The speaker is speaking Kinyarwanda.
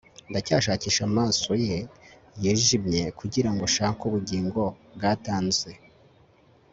ndacyashakisha amaso ye yijimye kugirango nshake ubugingo bwatanze